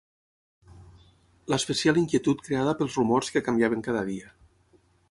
L'especial inquietud creada pels rumors que canviaven cada dia